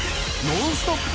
ノンストップ！